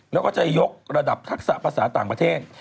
แล้วก็จะยกระดับทักษะภาษาต่างประเทศ